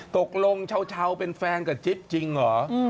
ตกลงเช้าเป็นแฟนกับจิ๊บจริงเหรอ